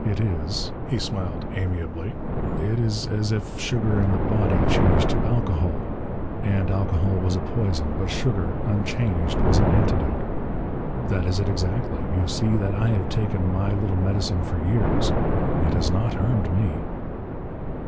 It is" he smiled amiably "it is as if sugar in the body changed to alcohol, and alcohol was a poison, but sugar unchanged was an antidote. That is it exactly. You see that I have taken my little medicine for years, and it has not harmed me."